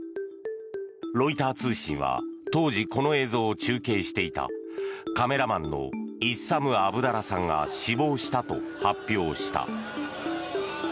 ロイター通信は、当時この映像を中継していたカメラマンのイッサム・アブダラさんが死亡したと発表した。